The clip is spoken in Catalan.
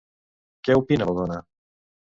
Què opina la dona?